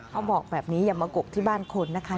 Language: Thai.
เขาบอกแบบนี้อย่ามากกที่บ้านคนนะคะ